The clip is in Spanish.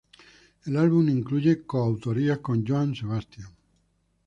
El álbum incluye co-autorías con Joan Sebastian.